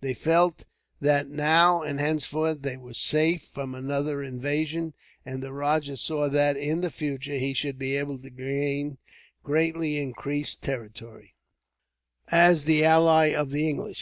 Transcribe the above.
They felt that, now and henceforth, they were safe from another invasion; and the rajah saw that, in the future, he should be able to gain greatly increased territory, as the ally of the English.